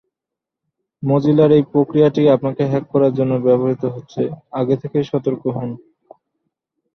শিশুদের অপহরণ এবং প্ররোচনা ব্যাপকভাবে বিস্তৃত ছিল এবং অনেককে রাজি করা হয়েছিল বা নৃশংসতা করতে বাধ্য করা হয়েছিল।